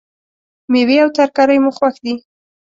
میوې او ترکاری مو خوښ دي